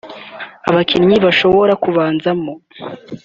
Abakinnyi bashobora kubanzamo